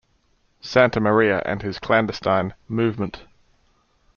Santamaria and his clandestine "Movement".